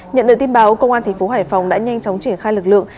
nhận được tin báo công an tp hải phòng đã nhanh chóng triển khai lực lượng